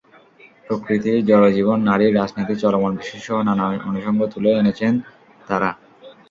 প্রকৃতি, জড়জীবন, নারী, রাজনীতি, চলমান বিশ্বসহ নানা অনুষঙ্গ তুলে এনেছেন তাঁরা।